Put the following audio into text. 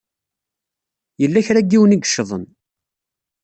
Yella kra n yiwen i yeccḍen.